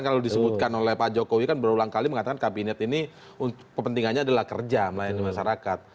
kalau disebutkan oleh pak jokowi kan berulang kali mengatakan kabinet ini kepentingannya adalah kerja melayani masyarakat